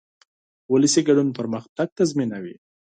ولسي ګډون پرمختګ تضمینوي.